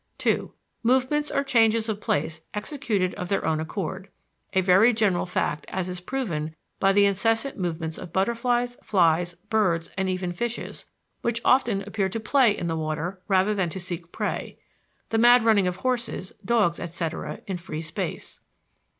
(2) Movements or changes of place executed of their own accord a very general fact as is proven by the incessant movements of butterflies, flies, birds, and even fishes, which often appear to play in the water rather than to seek prey; the mad running of horses, dogs, etc., in free space.